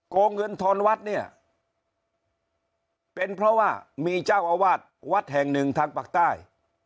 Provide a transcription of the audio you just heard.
งเงินทอนวัดเนี่ยเป็นเพราะว่ามีเจ้าอาวาสวัดแห่งหนึ่งทางปากใต้